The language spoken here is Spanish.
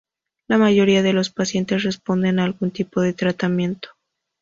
La mayoría de los pacientes responden a algún tipo de tratamiento.